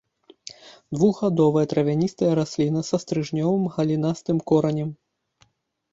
Двухгадовая травяністая расліна са стрыжнёвым галінастым коранем.